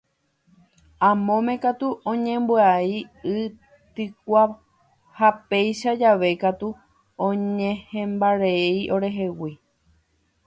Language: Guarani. Amóme katu oñembyai y tykua ha péicha jave katu oñehẽmbarei orehegui.